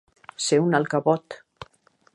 Ser un alcavot.